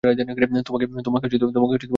তোমাকে পুলিশে দেয়া উচিৎ।